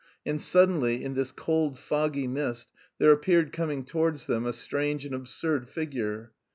And suddenly in this cold foggy mist there appeared coming towards them a strange and absurd figure.